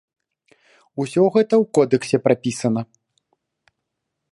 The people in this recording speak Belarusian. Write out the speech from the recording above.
Усё гэта ў кодэксе прапісана.